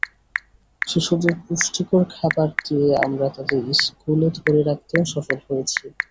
শিশুদের পুষ্টিকর খাবার দিয়ে আমরা তাদের স্কুলে ধরে রাখতেও সফল হয়েছি।